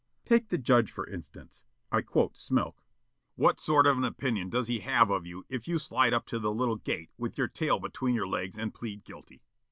Take the judge, for instance. (I quote Smilk.) What sort of an opinion does he have of you if you slide up to the little "gate," with your tail between your legs and plead guilty?